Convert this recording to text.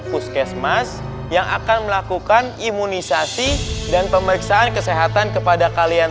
puskesmas yang akan melakukan imunisasi dan pemeriksaan kesehatan kepada kalian